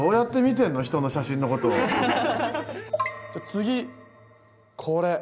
次これ。